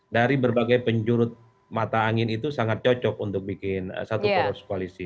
dari berbagai penjurut mata angin itu sangat cocok untuk bikin satu poros koalisi